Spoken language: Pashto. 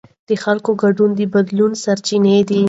د خلکو ګډون د بدلون سرچینه ده